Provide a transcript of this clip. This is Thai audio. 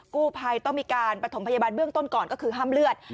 กู้ภัยต้องมีการประถมพยาบาลเบื้องต้นก่อนก็คือห้ามเลือด